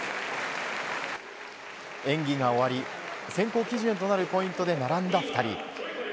演技が終わり選考基準となるポイントで並んだ２人。